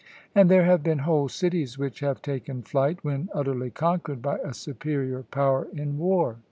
And there have been whole cities which have taken flight when utterly conquered by a superior power in war.